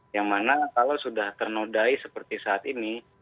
yang mana kalau sudah ternodai seperti saat ini